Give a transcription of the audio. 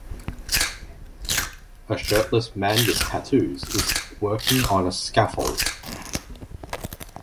A shirtless man with tattoos is working on a scaffold.